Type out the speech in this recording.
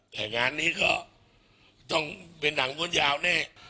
แต่งานนี้ก็ต้องเป็นหนังม้วนยาวแน่